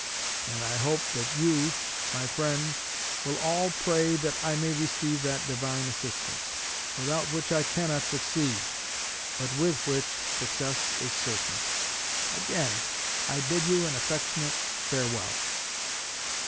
And I hope you, my friends, will all pray that I may receive that Divine assistance, without which I cannot succeed, but with which success is certain. Again I bid you an affectionate farewell.